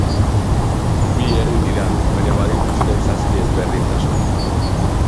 Bi herri dira, baina badituzte zazpi ezberdintasun.